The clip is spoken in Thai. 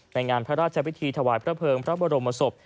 ในงานพระราชพิธีถวายพระเภิงพระบรมศพ